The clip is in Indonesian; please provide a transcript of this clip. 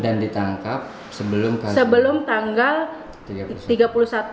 dan ditangkap sebelum kasus